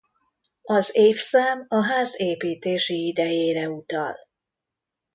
Az évszám a ház építési idejére utal.